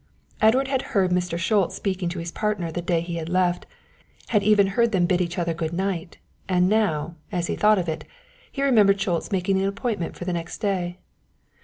Edward had heard Mr. Schultz speaking to his partner the day he had left, had even heard them bid each other good night, and now, as he thought of it, he remembered Schultz making an appointment for the next day.